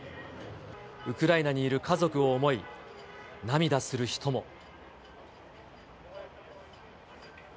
ウクライナにいる家族を思い、涙する人も。